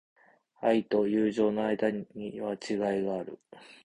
愛と友情の間には違いがある。